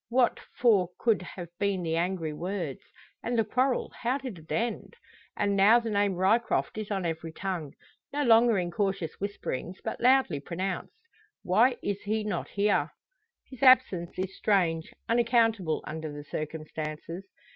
What for could have been the angry words? And the quarrel; how did it end? And now the name Ryecroft is on every tongue, no longer in cautious whisperings, but loudly pronounced. Why is he not here? His absence is strange, unaccountable, under the circumstances.